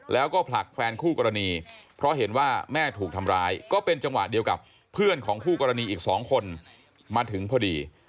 แล้วก็ผลักแฟนคู่กรณีเพราะเห็นว่าแม่ถูกทำร้ายก็เป็นจังหวะเดียวกับเพื่อนของคู่กรณีอีก๒คนมาถึงพอดี